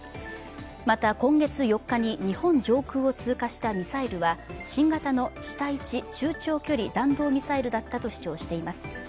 また、今月４日に日本上空を通過したミサイルは新型の地対地中距離弾道ミサイルだったと主張しています。